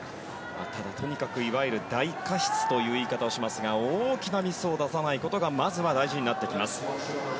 ただ、とにかくいわゆる大過失という言い方をしますが大きなミスを出さないことがまずは大事になってきます。